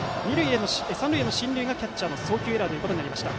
三塁への進塁がキャッチャーの送球エラーとなりました。